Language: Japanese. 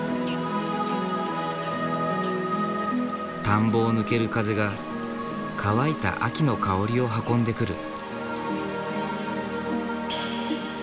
田んぼを抜ける風が乾いた秋の香りを運んでくる。